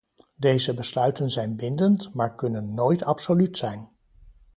Deze besluiten zijn bindend, maar kunnen nooit absoluut zijn.